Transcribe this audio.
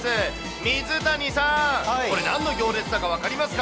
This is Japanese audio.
水谷さん、これ、なんの行列だか分かりますか？